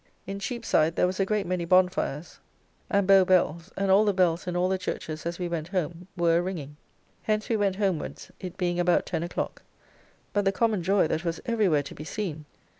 In Cheapside there was a great many bonfires, and Bow bells and all the bells in all the churches as we went home were a ringing. Hence we went homewards, it being about ten o'clock. But the common joy that was every where to be seen!